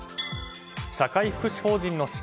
社会福祉法人の資金